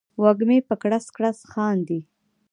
وږمې په کړس، کړس خاندي